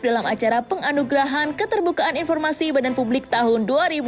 dalam acara penganugerahan keterbukaan informasi badan publik tahun dua ribu dua puluh